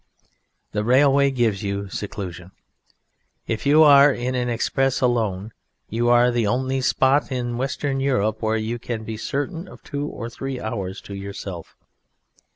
The railway gives you seclusion. If you are in an express alone you are in the only spot in Western Europe where you can be certain of two or three hours to yourself.